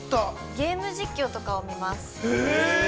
◆ゲーム実況とかを見ます。